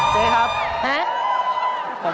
เจ๊ครับ